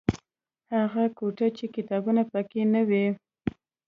هغه کوټه چې کتابونه پکې نه وي.